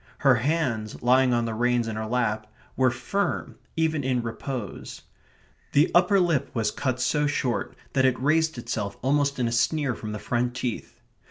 Her hands, lying on the reins in her lap, were firm even in repose. The upper lip was cut so short that it raised itself almost in a sneer from the front teeth.